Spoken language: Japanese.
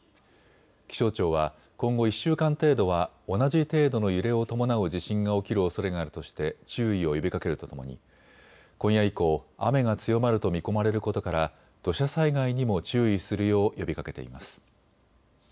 気象庁は今後１週間程度は同じ程度の揺れを伴う地震が起きるおそれがあるとして注意を呼びかけるとともに今夜以降、雨が強まると見込まれることから土砂災害にも注意するよう呼びかけています。